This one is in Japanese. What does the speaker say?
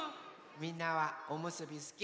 みんなはおむすびすき？